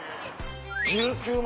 １９万。